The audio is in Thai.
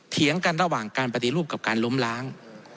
เถียงกันระหว่างการปฏิรูปกับการล้มล้าง